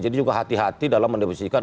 jadi kita harus berhati hati dalam menembusikan